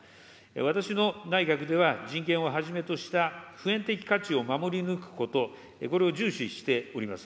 私の内閣では人権をはじめとした普遍的価値を守り抜くこと、これを重視しております。